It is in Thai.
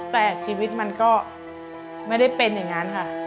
แต่ชีวิตมันก็ไม่ได้เป็นอย่างนั้นค่ะ